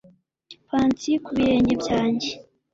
Pansy ku birenge byanjye